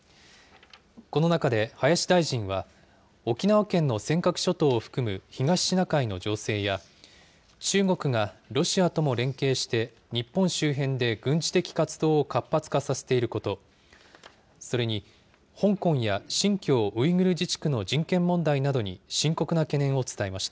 この中で林大臣は、沖縄県の尖閣諸島を含む東シナ海の情勢や、中国がロシアとも連携して、日本周辺で軍事的活動を活発化させていること、それに香港や新疆ウイグル自治区の人権問題などに深刻な懸念を伝えました。